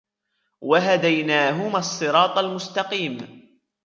وهديناهما الصراط المستقيم